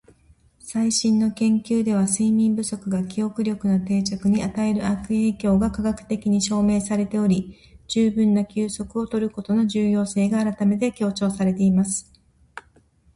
「最新の研究では、睡眠不足が記憶力の定着に与える悪影響が科学的に証明されており、十分な休息を取ることの重要性が改めて強調されています。」